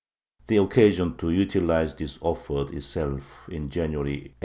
The occa sion to utilize this offered itself in January, 1811.